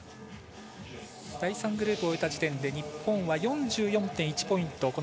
第３グループを終えた時点で日本は４４．１ポイント